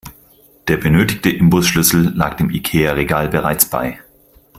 Der benötigte Imbusschlüssel lag dem Ikea-Regal bereits bei.